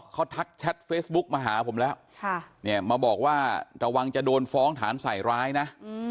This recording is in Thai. เขาทักแชทเฟซบุ๊กมาหาผมแล้วมาบอกว่าระวังจะโดนฟ้องฐานใส่ร้ายนะ